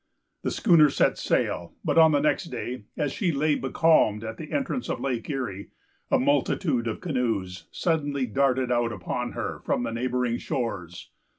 The schooner set sail; but on the next day, as she lay becalmed at the entrance of Lake Erie, a multitude of canoes suddenly darted out upon her from the neighboring shores.